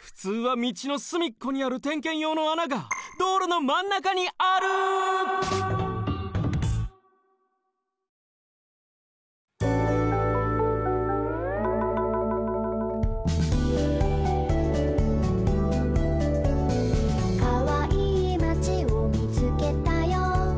ふつうはみちのすみっこにある点検用のあながどうろのまんなかにある「かわいいまちをみつけたよ」